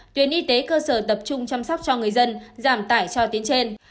tuyến y tế cơ sở tập trung chăm sóc cho người dân giảm tải cho tuyến trên